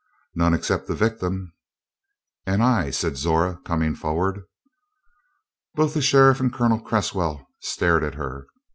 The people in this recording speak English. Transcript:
"None except the victim." "And I," said Zora, coming forward. Both the sheriff and Colonel Cresswell stared at her.